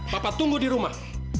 papa tunggu di rumah